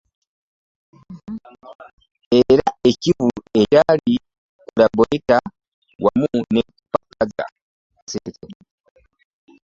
Era ekivvulu ekyali ku Labonita wamu ne ku Papaz